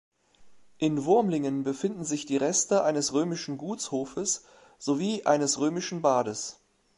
In Wurmlingen befinden sich die Reste eines römischen Gutshofes sowie eines Römischen Bades.